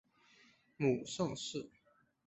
母盛氏。